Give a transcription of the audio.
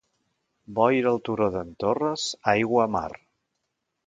Boira al turó d'en Torres, aigua a mar.